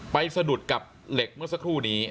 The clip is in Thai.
สะดุดกับเหล็กเมื่อสักครู่นี้